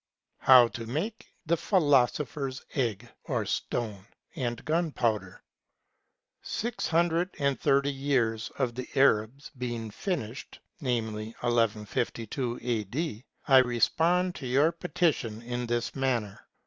XI. How TO MAKE THE PHILOSOPHER'S EGG (OB STONE) AND GUNPOWDER. Six hundred and thirty years of the Arabs being finished [i.e., 1152 A.D.], I respond to your petition in this manner.